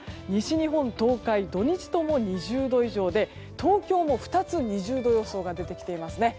西日本、東海土日とも２０度以上で東京も２つ２０度予想が出てきています。